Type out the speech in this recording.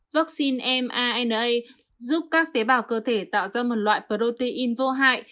vaccine mana giúp các tế bào cơ thể tạo ra một loại protein vô hại